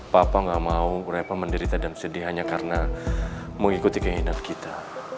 papa gak mau reva menderita dan sedih hanya karena mengikuti keindahan kita